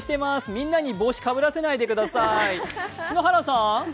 みんなに帽子をかぶらせないでください。